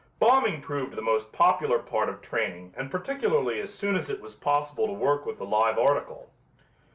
Bombing proved the most popular part of training and particularly as soon as it was possible to work with the live article.